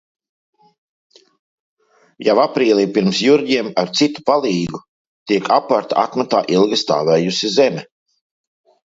Jau aprīlī pirms Jurģiem ar citu palīgu tiek aparta atmatā ilgi stāvējusi zeme.